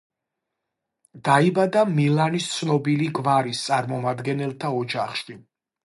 დაიბადა მილანის ცნობილი გვარის წარმომადგენელთა ოჯახში.